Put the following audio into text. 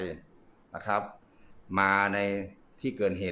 ตอนนี้ก็ไม่มีอัศวินทรีย์